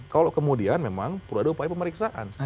kalau kemudian memang perlu ada upaya pemeriksaan